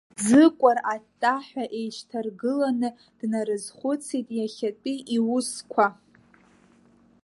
Ӡыкәыр аттаҳәа еишьҭаргыланы днарызхәыцит иахьатәи иусқәа.